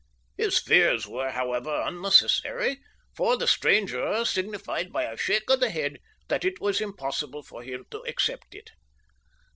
His fears were, however, unnecessary, for the stranger signified by a shake of the head that it was impossible for him to accept it.